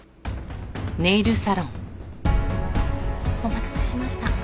お待たせしました。